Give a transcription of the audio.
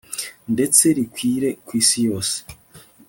ndetse rikwire ku isi yose